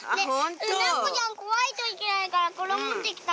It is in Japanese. なっこちゃんこわいといけないからこれもってきた。